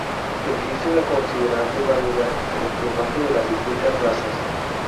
Existe una considerable variedad en el plumaje de las distintas razas.